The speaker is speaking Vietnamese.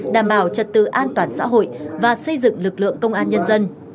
đảm bảo trật tự an toàn xã hội và xây dựng lực lượng công an nhân dân